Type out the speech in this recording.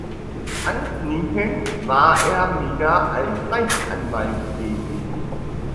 Anschließend war er wieder als Rechtsanwalt tätig.